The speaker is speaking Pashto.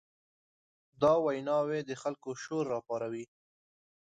دا ویناوې د خلکو شور راپاروي.